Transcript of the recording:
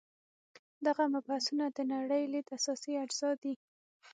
دغه مبحثونه د نړۍ لید اساسي اجزا دي.